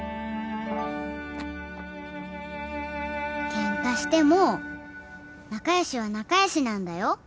ケンカしても仲良しは仲良しなんだよ。